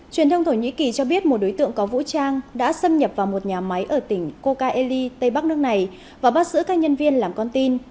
truyền thông thổ nhĩ kỳ cho biết một đối tượng có vũ trang đã xâm nhập vào một nhà máy ở tỉnh kokaeli tây bắc nước này và bắt giữ các nhân viên làm con tin